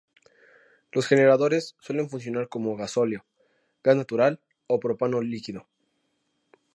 Los generadores suelen funcionar con gasóleo, gas natural o propano líquido.